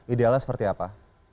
idealnya seperti apa